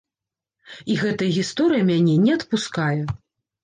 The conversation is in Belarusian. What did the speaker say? І гэтая гісторыя мяне не адпускае.